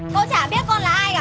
cô chả biết con là ai cả